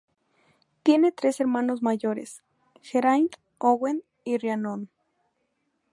Tiene tres hermanos mayores: Geraint, Owen y Rhiannon.